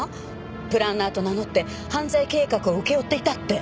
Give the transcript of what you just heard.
プランナーと名乗って犯罪計画を請け負っていたって。